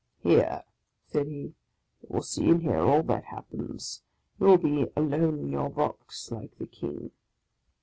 " Here," said he, " you will see and hear all that happens. You will be ' alone in your box,' like the King!"